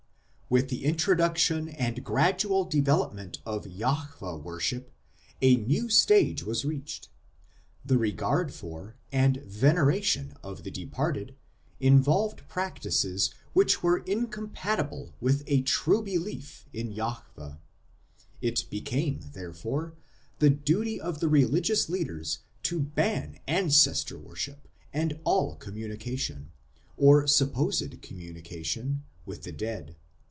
With the introduction and gradual development of Jahwe worship a new stage was reached. The regard for and veneration of the departed involved practices which were incompatible with a true belief in Jahwe. It became, therefore, the duty of the religious leaders to ban Ancestor worship and all communication, or supposed communica tion, with the dead.